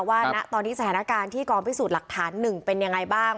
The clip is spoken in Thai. ณตอนนี้สถานการณ์ที่กองพิสูจน์หลักฐาน๑เป็นยังไงบ้าง